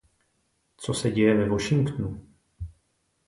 Co se děje ve Washingtonu?